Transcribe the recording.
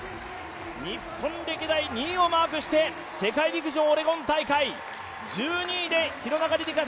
日本歴代２位をマークして世界陸上オレゴン大会１２位で廣中璃梨佳